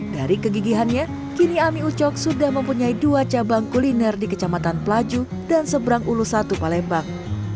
dari kegigihannya kini ami ucok sudah mempunyai dua cabang kuliner di kecamatan pelaju dan seberang ulus satu palembang